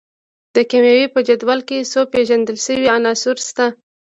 د کیمیا په جدول کې څو پیژندل شوي عناصر شته.